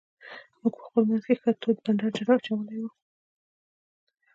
موږ په خپل منځ کې ښه تود بانډار اچولی وو.